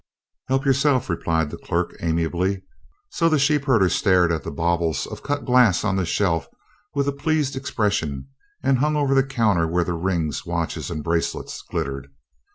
"Help yourself," replied the clerk, amiably, so the sheepherder stared at the baubles of cut glass on the shelf with a pleased expression and hung over the counter where the rings, watches and bracelets glittered.